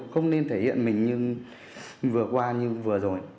không nên thể hiện mình như vừa qua như vừa rồi